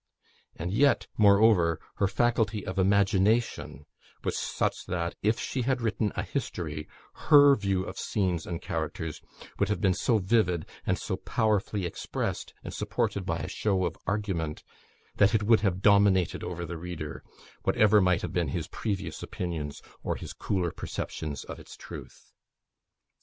And yet, moreover, her faculty of imagination was such that, if she had written a history, her view of scenes and characters would have been so vivid, and so powerfully expressed, and supported by such a show of argument, that it would have dominated over the reader, whatever might have been his previous opinions, or his cooler perceptions of its truth.